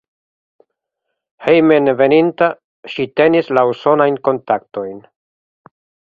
Hejmenveninta ŝi tenis la usonajn kontaktojn.